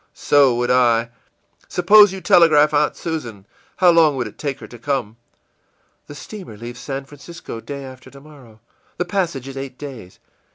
î ìSo would I. Suppose you telegraph Aunt Susan. How long would it take her to come?î ìThe steamer leaves San Francisco day after tomorrow. The passage is eight days.